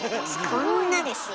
こんなですよ。